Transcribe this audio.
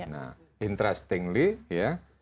nah interestingly ya